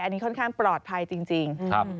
อันนี้ค่อนข้างปลอดภัยจริง